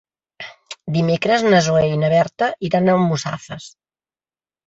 Dimecres na Zoè i na Berta iran a Almussafes.